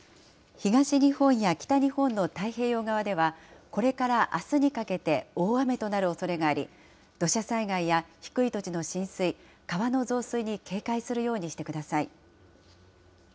東日本や北日本の太平洋側では、これからあすにかけて、大雨となるおそれがあり、土砂災害や低い土地の浸水、川の増水に警戒するようにしてください。